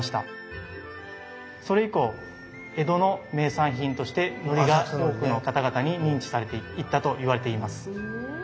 それ以降江戸の名産品としてのりが多くの方々に認知されていったと言われています。